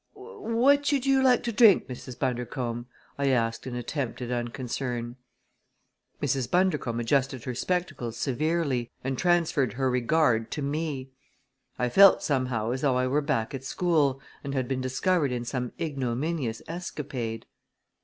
"What should you like to drink, Mrs. Bundercombe?" I asked in attempted unconcern. Mrs. Bundercombe adjusted her spectacles severely and transferred her regard to me. I felt somehow as though I were back at school and had been discovered in some ignominious escapade.